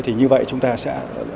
thì như vậy chúng ta sẽ